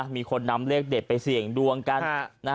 มีคนนำเลขเด็ดไปเสี่ยงดวงกัน